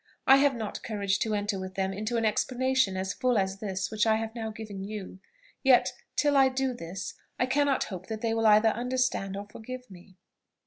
I have not courage to enter with them into an explanation as full as this which I have now given you; yet, till I do this, I cannot hope that they will either understand or forgive me.